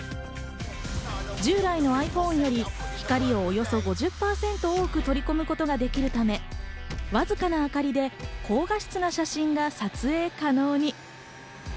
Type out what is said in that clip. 従来のｉＰｈｏｎｅより光をおよそ５０％多く取り込むことができるため、わずかな明かりで高画質な写真が撮影可能に。